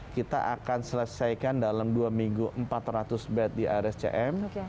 kita akan selesaikan dalam dua minggu empat ratus bed di rscm